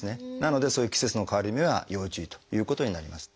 なのでそういう季節の変わり目は要注意ということになります。